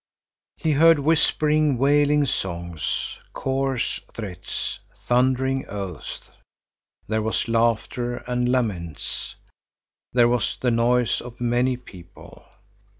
He heard whisperings, wailing songs, coarse threats, thundering oaths. There was laughter and laments, there was the noise of many people.